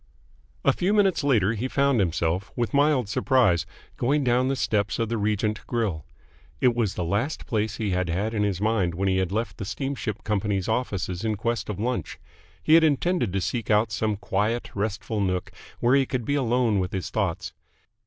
A few minutes later he found himself, with mild surprise, going down the steps of the Regent Grill. It was the last place he had had in his mind when he had left the steamship company's offices in quest of lunch. He had intended to seek out some quiet, restful nook where he could be alone with his thoughts.